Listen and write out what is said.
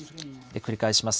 繰り返します。